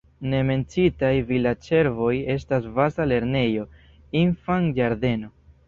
Ne menciitaj vilaĝservoj estas baza lernejo, infanĝardeno.